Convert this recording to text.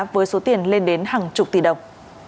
với số tiền lên đến hàng chục tỷ đồng